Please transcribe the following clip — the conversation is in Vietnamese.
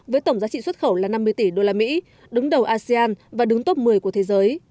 với tổng giá trị xuất khẩu là năm mươi tỷ usd đứng đầu asean và đứng top một mươi của thế giới